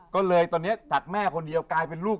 ก็เลยตอนนี้จากแม่คนเดียวกลายเป็นลูก